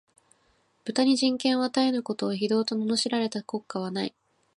豚に人権を与えぬことを、非道と謗られた国家はない